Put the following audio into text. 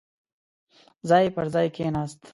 ځای پر ځاې کېناست.